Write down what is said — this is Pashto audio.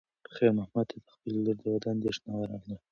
خیر محمد ته د خپلې لور د واده اندېښنه ورغله.